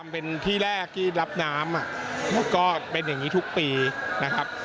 เป็นที่แรกที่รับน้ำก็เป็นอย่างนี้ทุกปีนะครับ